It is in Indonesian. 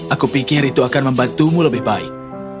aku pikir itu akan membantumu lebih baik